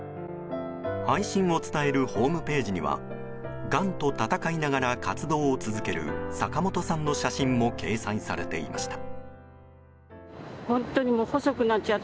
配信を伝えるホームページにはがんと闘いながら活動を続ける坂本さんの写真も掲載されていました。